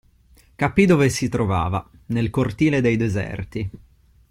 Capì dove si trovava: nel cortile dei Deserti.